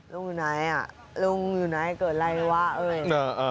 ลุงอยู่ไหนอ่ะลุงอยู่ไหนเกิดอะไรไว้วะ